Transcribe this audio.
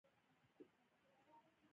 د ایران صنعت پیاوړی دی.